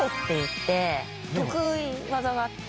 得意技があって。